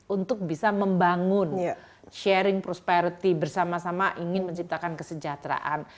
untuk bisa membangun sharing prosperity bersama sama ingin menciptakan kesejahteraan